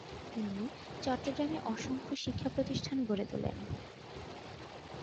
তিনি চট্টগ্রামে অসংখ্য শিক্ষা প্রতিষ্ঠান গড়ে তুলেন।